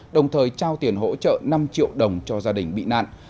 đồng thời trao tiền hỗ trợ năm triệu đồng cho gia đình bị nạn